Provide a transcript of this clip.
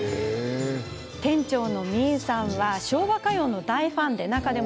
店長のミンさんは昭和歌謡の大ファンなんです。